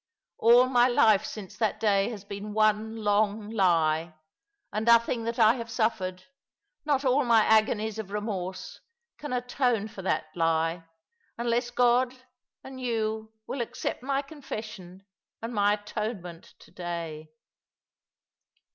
All my life since that day has been one long lie ; and nothing that I have suffered — not all my agonies of remorse — can atone for that lie, unless God and you will accept my confession and my atonement to day."